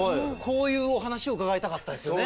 こういうお話を伺いたかったですよね。